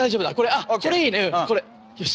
あっこれいいねこれよし。